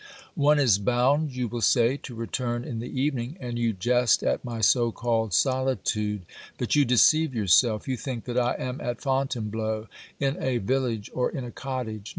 One is bound, you will say, to return in the evening, and you jest at my so called solitude ; but you deceive yourself; you think that I am at Fontainebleau, in a village or in a cottage.